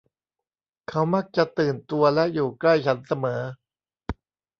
เขามักจะตื่นตัวและอยู่ใกล้ฉันเสมอ